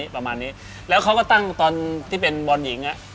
ประมาณนี้แล้วเขาก็ตั้งตอนที่เป็นบอลหญิงอ่ะ